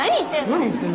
何言ってんの？